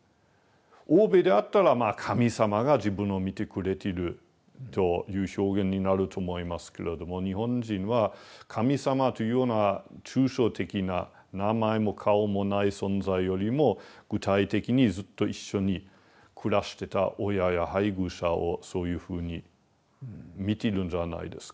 欧米であったら神様が自分を見てくれてるという表現になると思いますけれども日本人は神様というような抽象的な名前も顔もない存在よりも具体的にずっと一緒に暮らしてた親や配偶者をそういうふうに見てるんじゃないですか。